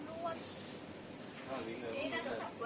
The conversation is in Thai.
สวัสดีครับ